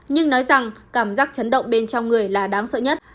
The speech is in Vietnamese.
nhưng nói rằng cảm giác chấn động bên trong người là đáng sợ nhất